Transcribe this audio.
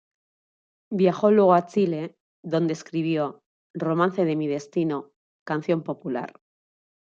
Viajó luego a Chile, donde escribió "Romance de mi destino", canción popular.